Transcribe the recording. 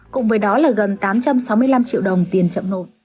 cùng với đó là gần tám trăm sáu mươi năm triệu đồng tiền chậm nộp